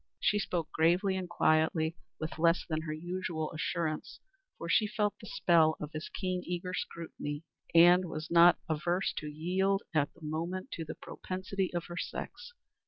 She spoke gravely and quietly, with less than her usual assurance, for she felt the spell of his keen, eager scrutiny and was not averse to yield at the moment to the propensity of her sex.